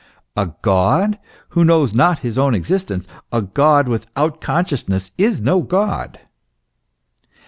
A God who knows not his own existence, a God without consciousness, is no God.